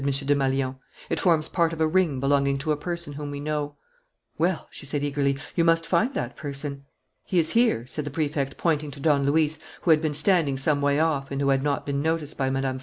Desmalions. "It forms part of a ring belonging to a person whom we know." "Well," she said eagerly, "you must find that person." "He is here," said the Prefect, pointing to Don Luis, who had been standing some way off and who had not been noticed by Mme.